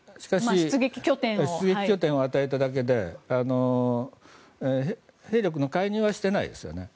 出撃拠点を与えただけで兵力の介入はしていないですよね。